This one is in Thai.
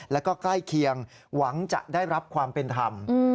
แล้วก็ใกล้เคียงหวังจะได้รับความเป็นธรรม